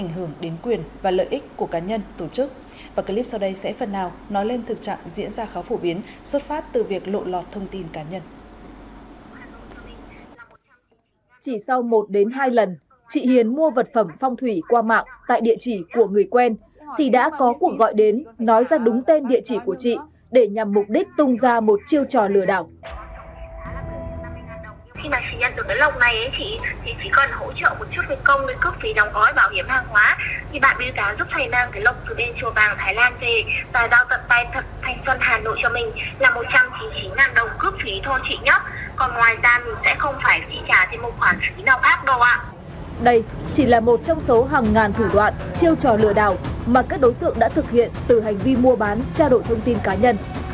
chỉ là một trong số hàng ngàn thủ đoạn chiêu trò lừa đảo mà các đối tượng đã thực hiện từ hành vi mua bán tra đội thông tin cá nhân